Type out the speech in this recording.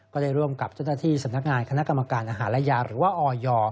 ก็ได้ร่วมกับเจ้าหน้าที่สำนักงานคณะกรรมการอาหารและยาหรือว่าออย